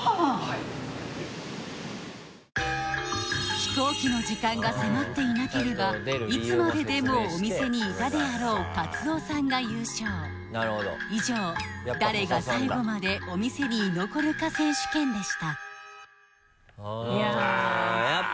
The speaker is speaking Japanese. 飛行機の時間が迫っていなければいつまででもお店にいたであろうかつおさんが優勝以上「誰が最後までお店に居残るか選手権」でしたあっ